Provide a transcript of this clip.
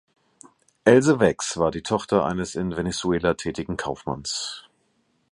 Else Wex war die Tochter eines in Venezuela tätigen Kaufmanns.